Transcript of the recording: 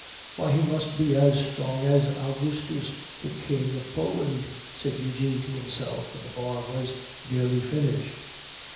"Why, he must be as strong as Augustus, King of Poland!" said Eugene to himself when the bar was nearly finished.